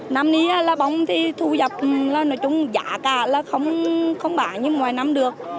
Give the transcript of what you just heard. năm nay là bóng thì thu dập là nói chung giá cả là không bán như ngoài năm được